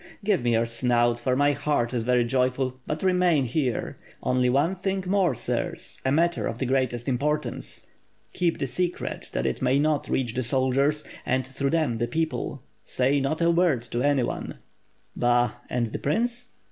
"Give me your snout, for my heart is very joyful; but remain here. Only one thing more, sirs, a matter of the greatest importance; keep the secret, that it may not reach the soldiers and, through them, the people; say not a word to anyone" "Bah! And the prince?"